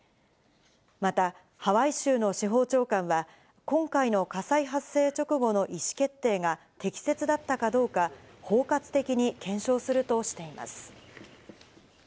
またハワイ州の司法長官は今回の火災発生直後の意志決定が適切だったかどうか、包括的に検証するとしています。